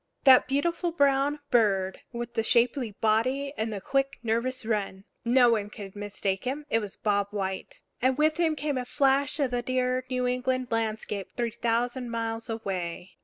That beautiful brown bird with the shapely body and the quick, nervous run! No one could mistake him; it was Bob White. And with him came a flash of the dear New England landscape three thousand miles away.